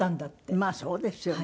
まあそうですよね。